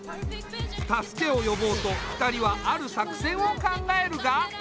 助けを呼ぼうと２人はある作戦を考えるが。